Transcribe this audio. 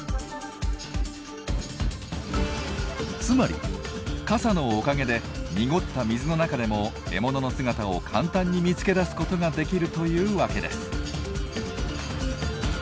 つまり傘のおかげで濁った水の中でも獲物の姿を簡単に見つけ出すことができるというわけです。